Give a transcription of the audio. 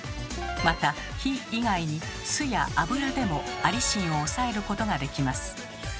また火以外に酢や油でもアリシンを抑えることができます。